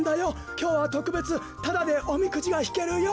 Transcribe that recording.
きょうはとくべつタダでおみくじがひけるよ。